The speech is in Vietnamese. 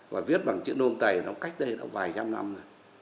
và viết bằng chữ nôm tày nó cách đây đã vài trăm năm rồi